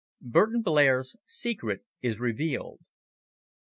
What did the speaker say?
BURTON BLAIR'S SECRET IS REVEALED.